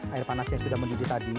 air panas yang sudah mendidih tadi